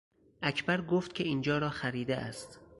اکبر گفت که اینجا را خریده است.